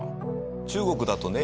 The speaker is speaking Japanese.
中国だとね